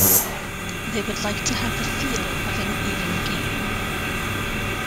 They would like to have the feel of an "even game".